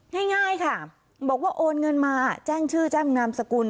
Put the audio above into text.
ง่ายค่ะบอกว่าโอนเงินมาแจ้งชื่อแจ้งนามสกุล